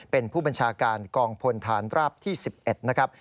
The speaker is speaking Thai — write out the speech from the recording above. เป็นผู้บัญชาการกองพลฐานราบที่๑๑นะครับ